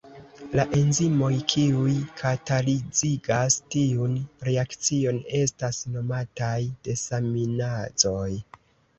La enzimoj kiuj katalizigas tiun reakcion estas nomataj desaminazoj.